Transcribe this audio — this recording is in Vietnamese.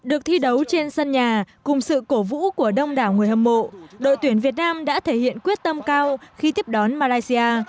được thi đấu trên sân nhà cùng sự cổ vũ của đông đảo người hâm mộ đội tuyển việt nam đã thể hiện quyết tâm cao khi tiếp đón malaysia